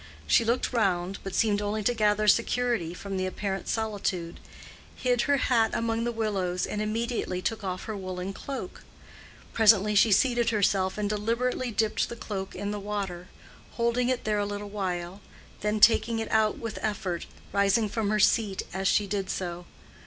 She looked round, but seemed only to gather security from the apparent solitude, hid her hat among the willows, and immediately took off her woolen cloak. Presently she seated herself and deliberately dipped the cloak in the water, holding it there a little while, then taking it out with effort, rising from her seat as she did so.